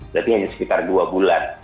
berarti hanya sekitar dua bulan